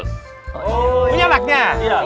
oh punya maknya